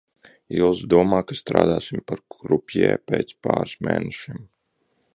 Ilze domā, ka strādāsim par krupjē pēc pāris mēnešiem.